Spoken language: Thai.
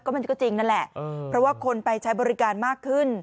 มันก็จริงนั่นแหละเพราะว่าคนไปใช้บริการมากขึ้น